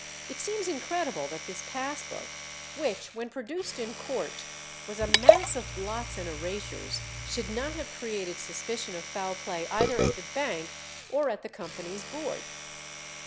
It seems incredible that this pass book, which when produced in court was a mass of blots and erasures, should not have created suspicion of foul play either at the bank or at the company's board.